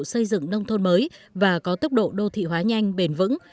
xây dựng nông thôn mới và có tốc độ đô thị hóa nhanh bền vững